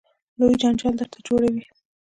لوی جنجال درته جوړوي.